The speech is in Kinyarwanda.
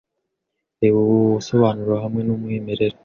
Reba ubu busobanuro hamwe numwimerere.